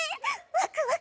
ワクワク！